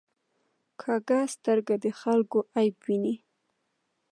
کوږه سترګه د خلکو عیب ویني